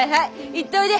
行っといで！